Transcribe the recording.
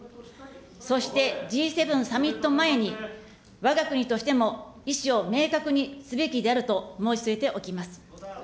そしてＧ７サミット前に、わが国としても意志を明確にすべきであると申し添えておきます。